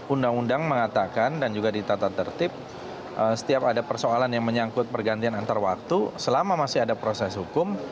undang undang mengatakan dan juga di tata tertib setiap ada persoalan yang menyangkut pergantian antar waktu selama masih ada proses hukum